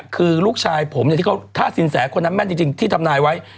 คือลูกชายผมถ้าสินแสคนนั้นแม่นจริงที่ทำนายไว้